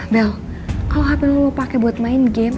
bel kalo hape lo pake buat main game